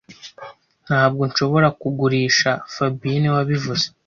Ntabwo nshobora kukugurisha fabien niwe wabivuze